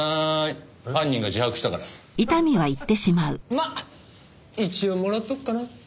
まっ一応もらっとくかな。